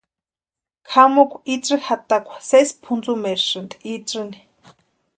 Kʼamukwa itsï jatakwa sesi pʼuntsumerasïnti itsïni.